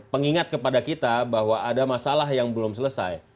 pengingat kepada kita bahwa ada masalah yang belum selesai